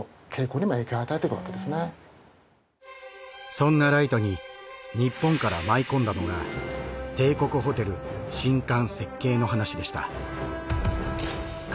そんなライトに日本から舞い込んだのが「帝国ホテル」新館設計の話でした。